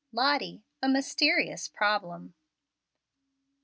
LOTTIE A MYSTERIOUS PROBLEM.